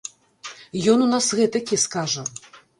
Ён у нас гэтакі, скажа.